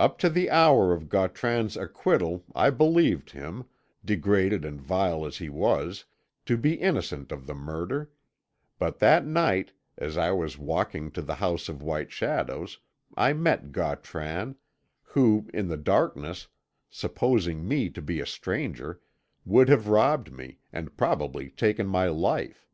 Up to the hour of Gautran's acquittal I believed him, degraded and vile as he was, to be innocent of the murder; but that night, as I was walking to the House of White Shadows, I met Gautran, who, in the darkness, supposing me to be a stranger, would have robbed me, and probably taken my life.